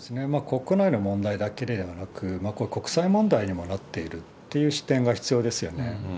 国内の問題だけではなく、国際問題にもなっているっていう視点が必要ですよね。